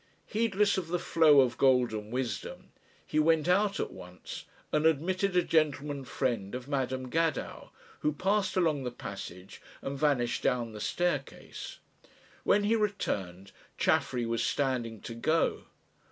Heedless of the flow of golden wisdom, he went out at once and admitted a gentleman friend of Madam Gadow, who passed along the passage and vanished down the staircase. When he returned Chaffery was standing to go.